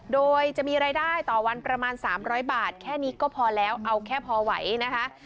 โดยจะมีรายได้ต่อวันประมาณ๓๐๐บาทแค่นี้ก็พอแล้วเอาแค่พอไหวนะคะ